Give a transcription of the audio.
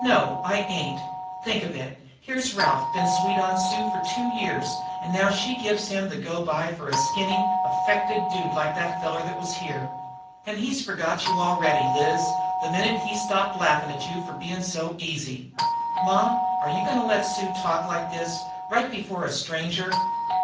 "No, I ain't! Think of it; here's Ralph been sweet on Liz for two years an' now she gives him the go by for a skinny, affected dude like that feller that was here. And he's forgot you already, Liz, the minute he stopped laughing at you for bein' so easy." "Ma, are you goin' to let Sue talk like this right before a stranger?"